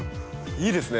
いいですね